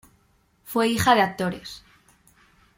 Fue hija de actores.